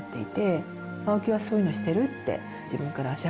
青木はそういうのしてる？って。